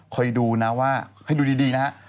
คอยดูนะว่าให้ดูดีนะฮะ